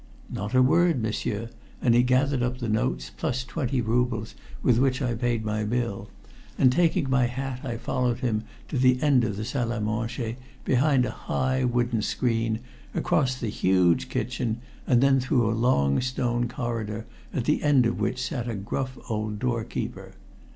"Not a word, m'sieur," and he gathered up the notes plus twenty roubles with which I paid my bill, and taking my hat I followed him to the end of the salle à manger behind a high wooden screen, across the huge kitchen, and then through a long stone corridor at the end of which sat a gruff old doorkeeper.